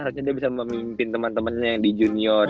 harusnya dia bisa memimpin temen temennya yang di junior